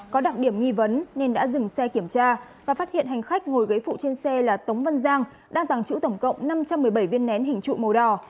có đặc điểm nghi vấn nên đã dừng xe kiểm tra và phát hiện hành khách ngồi ghế phụ trên xe là tống văn giang đang tàng trữ tổng cộng năm trăm một mươi bảy viên nén hình trụ màu đỏ